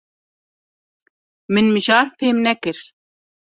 Min mijar fêm nekir.